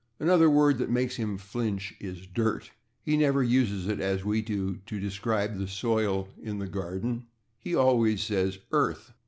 Another word that makes him flinch is /dirt/. He never uses it, as we do, to describe the soil in the garden; he always says /earth